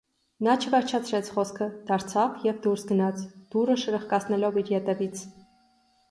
Նա չվերջացրեց խոսքը, դարձավ և դուրս գնաց, դուռը շրխկացնելով իր ետևից: